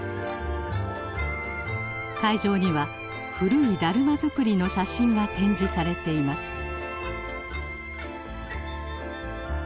会場には古いだるま作りの写真が展示されています。